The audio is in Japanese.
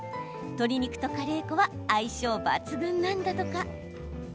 鶏肉とカレー粉は相性抜群なんだとか。